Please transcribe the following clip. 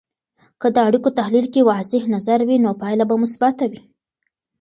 که د اړیکو تحلیل کې واضح نظر وي، نو پایله به مثبته وي.